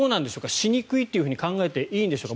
しにくいと考えていいんでしょうか。